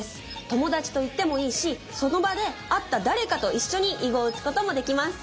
友達と行ってもいいしその場で会った誰かと一緒に囲碁を打つこともできます。